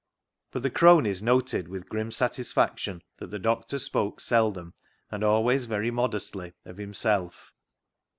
But the cronies noted with grim satisfaction that the doctor spoke seldom and always very modestly of himself.